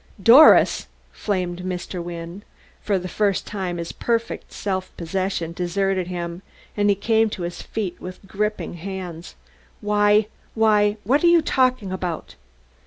"Doris!" flamed Mr. Wynne. For the first time his perfect self possession deserted him, and he came to his feet with gripping hands. "Why why ! What are you talking about?"